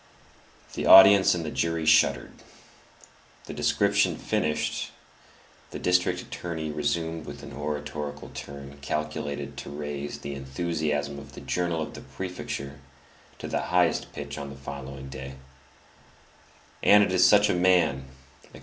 The audience and the jury "shuddered." The description finished, the district attorney resumed with an oratorical turn calculated to raise the enthusiasm of the journal of the prefecture to the highest pitch on the following day: And it is such a man, etc.